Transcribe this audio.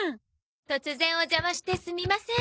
突然お邪魔してすみません。